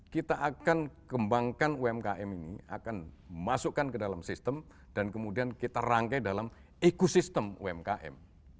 kita akan kembangkan umkm ini akan masukkan ke dalam sistem dan kemudian kita rangkai dalam ekosistem umkm